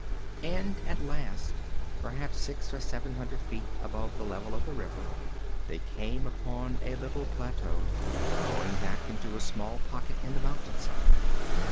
And at last, perhaps six or seven hundred feet above the level of the river, they came upon a little plateau, going back into a small pocket in the mountainside.